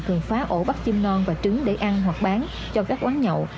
thường phá ổ bắt chim non và trứng để ăn hoặc bán cho các quán nhậu